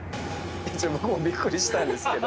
僕もびっくりしたんですけど。